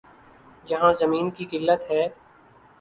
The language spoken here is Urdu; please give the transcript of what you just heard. جہاں زمین کی قلت ہے۔